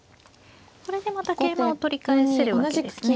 これでまた桂馬を取り返せるわけですね。